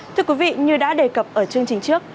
thưa quý vị như đã đề cập ở chương trình trước